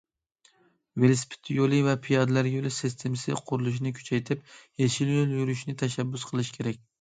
ۋېلىسىپىت يولى ۋە پىيادىلەر يولى سىستېمىسى قۇرۇلۇشىنى كۈچەيتىپ، يېشىل يول يۈرۈشنى تەشەببۇس قىلىش كېرەك.